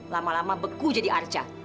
lama lama beku jadi arca